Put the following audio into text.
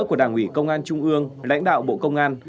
của đảng ủy công an trung ương lãnh đạo bộ công an